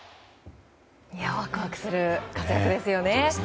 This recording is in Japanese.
ワクワクする活躍ですよね。